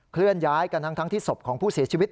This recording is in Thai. เคลื่อนย้ายกันทั้งที่ศพของผู้เสียชีวิต